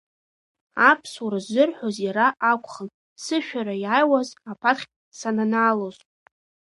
Аԥсуара ззырҳәоз иара акәхын, сышәара иааиуаз аԥаҭхь сананаалоз.